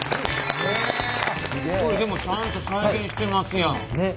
すごいでもちゃんと再現してますやん！